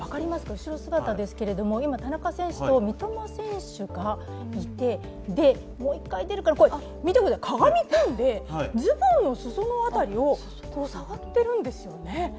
後ろ姿ですけど田中選手と三笘選手がいて、で、見てください、かがみ込んでズボンの裾の辺りを触っているんですよね。